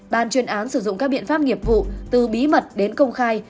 ban chuyên án sử dụng các biện pháp nghiệp vụ từ bí mật đến công khai